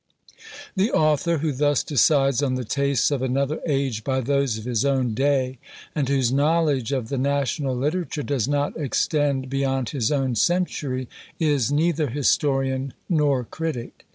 The author who thus decides on the tastes of another age by those of his own day, and whose knowledge of the national literature does not extend beyond his own century, is neither historian nor critic.